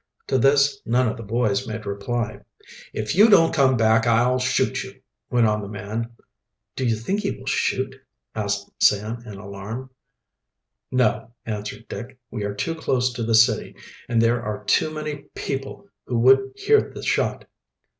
To this none of the boys made reply. "If you don't come back I'll shoot at you," went on the man. "Do you think he will shoot?" asked Sam, in alarm. "No," answered Dick. "We are too close to the city, and there are too many people who would hear the shot."